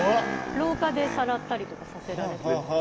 廊下でさらったりとかさせられて。